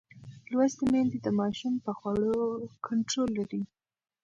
لوستې میندې د ماشوم پر خوړو کنټرول لري.